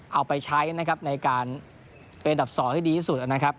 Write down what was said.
เอาไปใช้นะครับในการเป็นอันดับ๒ให้ดีที่สุดนะครับ